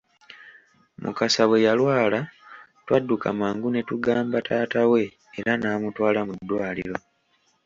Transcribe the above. Mukasa bwe yalwala twadduka mangu ne tugamba taata we era n'amutwala mu ddwaliro.